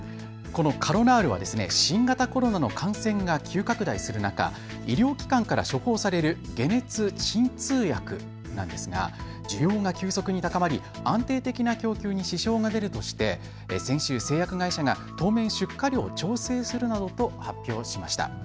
このカロナールは新型コロナの感染が急拡大する中、医療機関から処方される解熱鎮痛薬なんですが需要が急速に高まり安定的な供給に支障が出るとして先週、製薬会社が当面、出荷量を調整するなどと発表しました。